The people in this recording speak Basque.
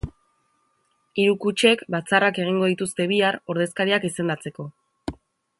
Hiru kutxek batzarrak egingo dituzte bihar ordezkariak izendatzeko.